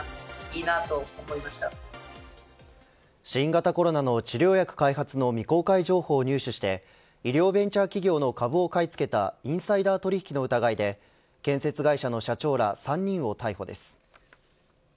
新型コロナの治療薬開発の未公開情報を入手して医療ベンチャー企業の株を買い付けたインサイダー取引の疑いで建設会社の社長ら３人を逮捕です。